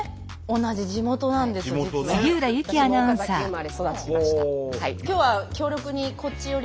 私も岡崎生まれ育ちました。